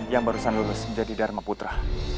yang barusan lulus menjadi dharma putra